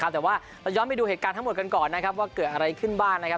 แต่ว่าเราย้อนไปดูเหตุการณ์ทั้งหมดกันก่อนนะครับว่าเกิดอะไรขึ้นบ้างนะครับ